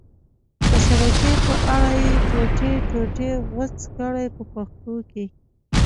د شبکې په اره یې ټوټې ټوټې غوڅ کړئ په پښتو کې.